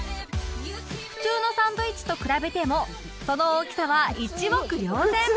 普通のサンドイッチと比べてもその大きさは一目瞭然！